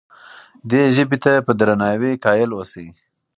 دې ژبې ته په درناوي قایل اوسئ.